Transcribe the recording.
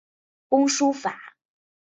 工书法。